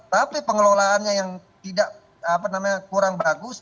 tapi pengelolaannya yang tidak apa namanya kurang bagus